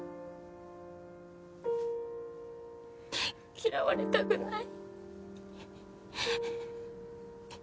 嫌われたくない。